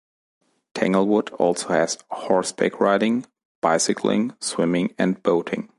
Tanglewood also has horseback riding, bicycling, swimming and boating.